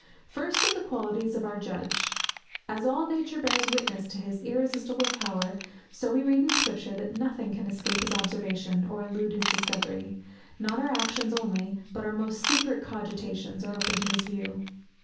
First of the qualities of our Judge. As all nature bears witness to his irresistible power, so we read in Scripture that nothing can escape his observation, or elude his discovery; not our actions only, but our most secret cogitations are open to his view.